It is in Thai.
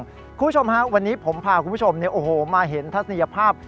คุณผู้ชมฮะวันนี้ผมพาคุณผู้ชมมาเห็นทัศนียภาพ